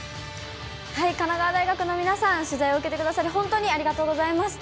神奈川大学の皆さん、取材を受けてくださり、本当にありがとうございました。